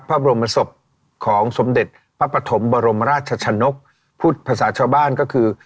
พระบรมศพของสมเด็จพระปฐมบรมราชชนกพูดภาษาชาวบ้านก็คือ